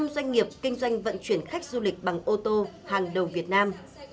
năm doanh nghiệp kinh doanh vận chuyển khách du lịch bằng ô tô hàng đầu việt nam